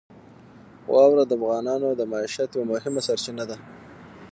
واوره د افغانانو د معیشت یوه مهمه سرچینه ده.